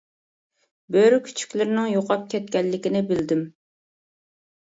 بۆرە كۈچۈكلىرىنىڭ يوقاپ كەتكەنلىكىنى بىلدىم.